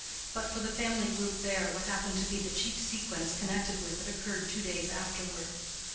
But for the family group there, what appeared to be the chief sequence connected with it occurred two days afterward.